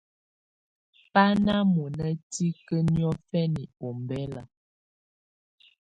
Bà nà mɔ̀na tikǝ́ niɔ̀fɛna ɔmbɛla.